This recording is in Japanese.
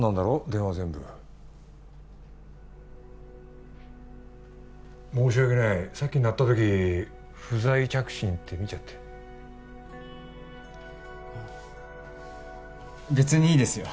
電話全部申し訳ないさっき鳴った時不在着信って見ちゃって別にいいですよ